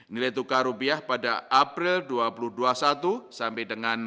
nilai tukar rupiah pada april dua ribu dua puluh satu sampai dengan sembilan belas april